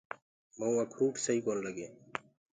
مؤُنٚ اکروٽ سئي ڪونآ لگينٚ۔